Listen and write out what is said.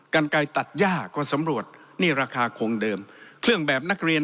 กันไกลตัดย่าก็สำรวจนี่ราคาคงเดิมเครื่องแบบนักเรียน